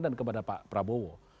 dan kepada pak prabowo